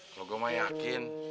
kalo gue mah yakin